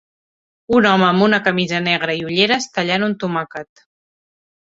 Un home amb una camisa negre i ulleres tallant un tomàquet.